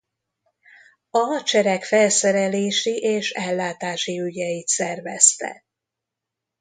A hadsereg felszerelési és ellátási ügyeit szervezte.